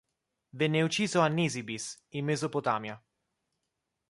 Venne ucciso a Nisibis, in Mesopotamia.